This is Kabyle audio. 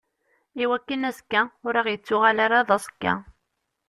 Iwakken azekka ur aɣ-yettuɣal ara d aẓekka.